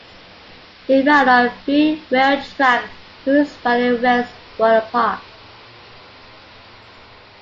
It ran on three-rail track whose running rails were apart.